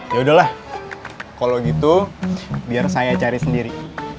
ya udahlah kalau gitu biar saya cari sendiri